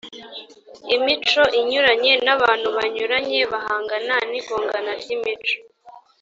imico inyuranye n abantu banyuranye bahangana n igongana ry imico